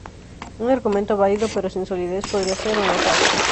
Un argumento válido pero sin solidez podría ser o no falso.